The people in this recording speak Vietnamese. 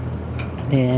kiều hải dương